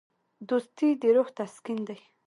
دوستي د روح تسکین دی.